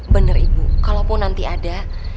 bener ibu kalaupun nanti ada